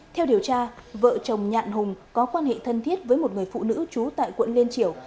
theo điều tra vợ chồng nhạn hùng có quan hệ thân thiết với một người phụ nữ trú tại quận liên triểu